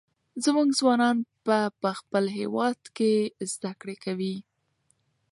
زموږ ځوانان به په خپل هېواد کې زده کړې کوي.